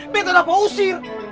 biar ga ada apa usir